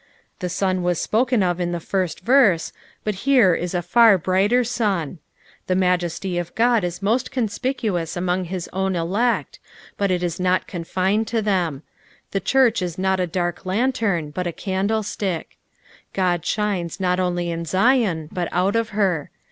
The sun waa spoken of in the first verse, but here is a far brighter bud. The majenty of Ood is moat conspicuous amoog hia own elect, but it is not confined to them ; the church is not a dark lantern, but a candlestick. God shines not on); io Zion, but out of her.